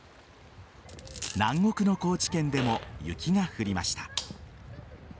南国の高知県でも雪が降りました。